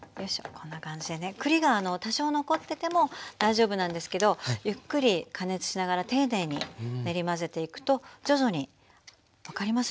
こんな感じでね栗が多少残ってても大丈夫なんですけどゆっくり加熱しながら丁寧に練り混ぜていくと徐々に分かります？